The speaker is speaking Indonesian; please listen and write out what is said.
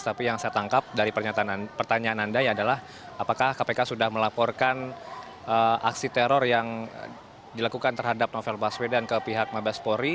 tapi yang saya tangkap dari pertanyaan anda adalah apakah kpk sudah melaporkan aksi teror yang dilakukan terhadap novel baswedan ke pihak mabespori